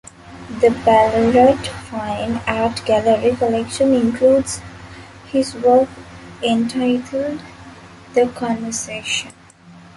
The Ballarat Fine Art Gallery collection includes his work entitled "The Conversation".